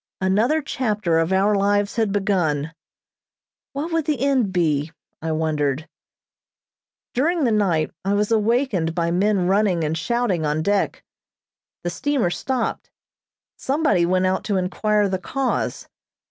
Another chapter of our lives had begun. What would the end be, I wondered. During the night I was awakened by men running and shouting on deck. The steamer stopped. Somebody went out to inquire the cause.